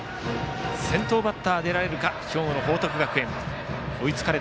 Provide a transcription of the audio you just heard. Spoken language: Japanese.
先頭バッター出られるか兵庫の報徳学園。